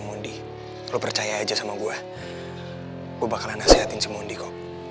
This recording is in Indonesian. mundi lu percaya aja sama gua gua bakalan nasehatin semua dikau